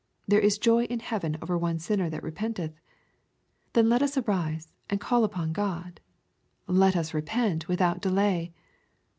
" There is joy in heaven over one sinner that repenteth." Then let us arise and call upon God. Let us repent without delay.